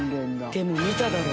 でも見ただろ。